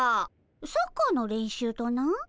サッカーの練習とな。